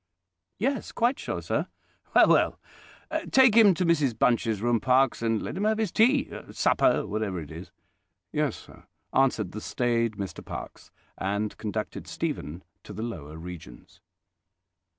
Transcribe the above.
"Yes, quite sure, sir." "Well, well! Take him to Mrs Bunch's room, Parkes, and let him have his tea—supper—whatever it is." "Yes, sir," answered the staid Mr Parkes; and conducted Stephen to the lower regions.